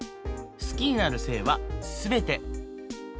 好きになる性は全て。